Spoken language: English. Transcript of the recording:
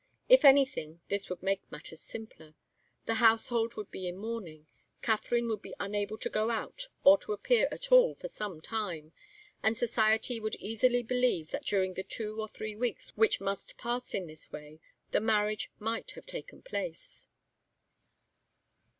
If anything, this would make matters simpler. The household would be in mourning, Katharine would be unable to go out or to appear at all for some time, and society would easily believe that during the two or three weeks which must pass in this way, the marriage might have taken place.